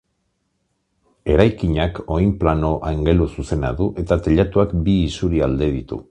Eraikinak oinplano angeluzuzena du eta teilatuak bi isurialde ditu.